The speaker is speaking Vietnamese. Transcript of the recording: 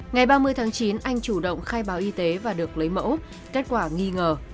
ngày ba mươi tháng chín anh chủ động khai báo y tế và được lấy mẫu kết quả nghi ngờ